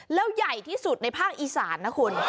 แล้วใหญ่ที่สุดในภาคอีสานนะคุณ